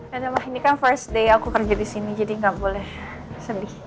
karena mah ini kan first day aku kerja di sini jadi nggak boleh sedih